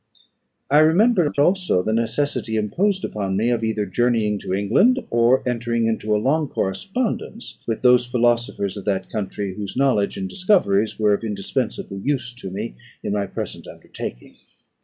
I remembered also the necessity imposed upon me of either journeying to England, or entering into a long correspondence with those philosophers of that country, whose knowledge and discoveries were of indispensable use to me in my present undertaking.